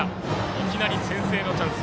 いきなり先制のチャンス